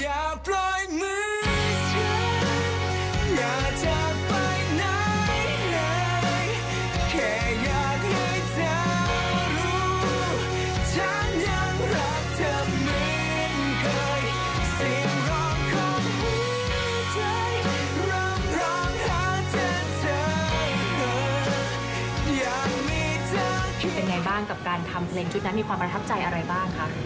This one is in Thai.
พี่เป็นยังไงบ้างกับการทำเพลงซุดนั้นมีความประทับใจอะไรบ้างครับ